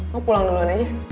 lo pulang duluan aja